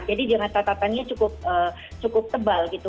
jadi dengan catatannya cukup tebal gitu